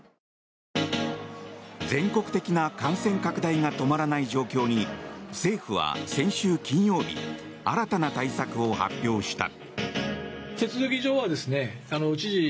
全国的な感染拡大が止まらない状況に政府は先週金曜日新たな対策を発表した。